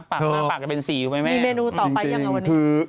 ปากมักปากจะเป็นสีไอ่แม่นค่ะมีเมนูต่อไปยังหรอวันดี